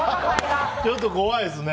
ちょっと怖いですね。